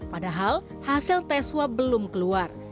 padahal hasil tes swab belum keluar